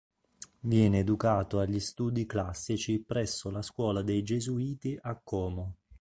Viene educato agli studi classici presso la scuola dei Gesuiti a Como.